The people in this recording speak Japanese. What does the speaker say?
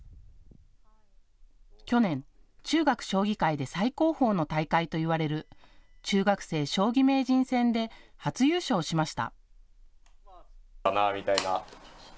去年、中学将棋界で最高峰の大会と言われる中学生将棋名人戦で初優勝しました。